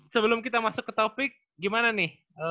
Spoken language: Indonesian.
sebelum kita masuk ke topik gimana nih